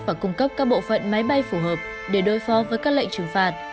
và cung cấp các bộ phận máy bay phù hợp để đối phó với các lệnh trừng phạt